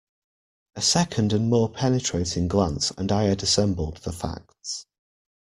A second and more penetrating glance and I had assembled the facts.